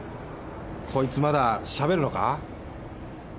こいつまだしゃべるのか？